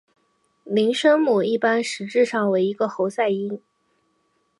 零声母一般实质上为一个喉塞音。